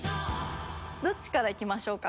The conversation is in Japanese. どっちからいきましょうか？